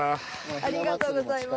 ありがとうございます。